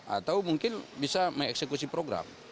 atau mungkin bisa mengeksekusi program